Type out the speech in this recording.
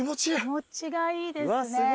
気持ちがいいですね。